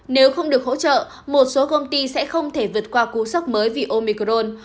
nếu không được hỗ trợ một số công ty sẽ không thể vượt qua cú sốc mới vì omicron